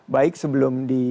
baik sebelum di kabinet